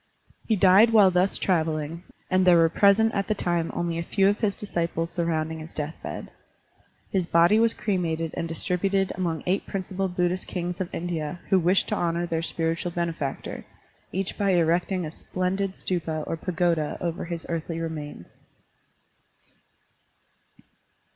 He died while thus traveling, and there were present at the time only a few of his disciples surrovmding his death bed. His body was cremated and distributed among eight principal Buddhist kings of India who wished to honor their spiritual benefactor, each by erecting a splendid stupa or pagoda over his earthly remains.